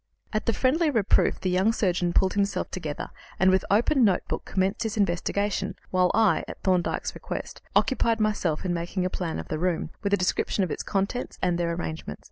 At the friendly reproof the young surgeon pulled himself together, and, with open notebook, commenced his investigation, while I, at Thorndyke's request, occupied myself in making a plan of the room, with a description of its contents and their arrangements.